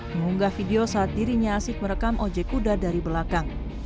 mengunggah video saat dirinya asyik merekam ojekuda dari belakang